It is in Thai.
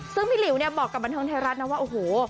ซึ่งพี่หลิวเนี่ยบอกกับบันเทิงไทยรัฐนะว่าโอ้โห